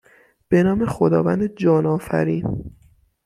به نام خداوند جان آفرین